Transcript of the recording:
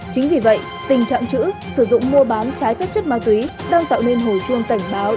chính vì vậy tình trạng chữ sử dụng mua bán trái phép chất ma túy đang tạo nên hồi chuông cảnh báo